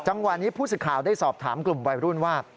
จังหวะนี้ผู้สิทธิ์ข่าวได้สอบถามกลุ่มวัยรุ่นว่า